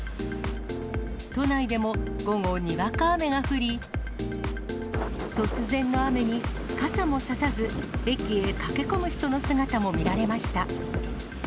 都内でも午後、にわか雨が降り、突然の雨に、傘も差さず駅へ駆け込む人の姿も見られました。